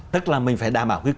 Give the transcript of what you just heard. tức là mình phải đảm bảo